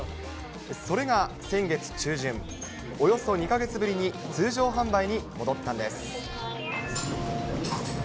それが先月中旬、およそ２か月ぶりに通常販売に戻ったんです。